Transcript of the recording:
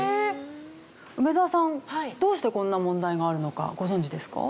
梅澤さんどうしてこんな問題があるのかご存じですか？